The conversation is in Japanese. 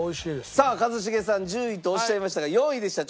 さあ一茂さん１０位とおっしゃいましたが４位でした。